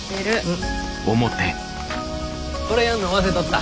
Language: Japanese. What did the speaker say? これやるの忘れとった。